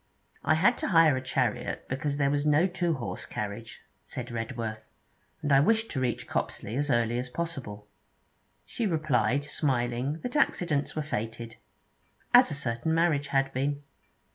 'I had to hire a chariot because there was no two horse carriage,' said Redworth, 'and I wished to reach Copsley as early as possible.' She replied, smiling, that accidents were fated. As a certain marriage had been!